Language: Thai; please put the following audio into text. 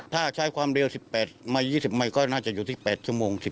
ถ้าใช้ความเร็ว๑๘๒๐ไมค์ก็น่าจะอยู่ที่๘ชั่วโมง